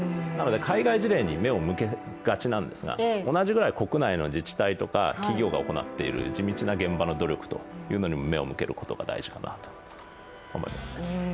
海外事例に目を向けがちなんですが、同じぐらい国内の自治体とか企業が行っている地道な現場の努力というのにも目を向けることが大事かなと思いますね。